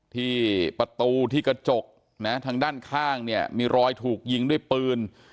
ที่ประตูที่กระจกนะทางด้านข้างเนี่ยมีรอยถูกยิงด้วยปืน